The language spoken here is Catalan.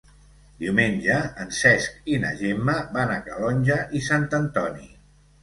Diumenge en Cesc i na Gemma van a Calonge i Sant Antoni.